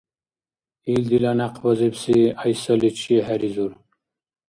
Ил дила някъбазибси гӀяйсаличи хӀеризур.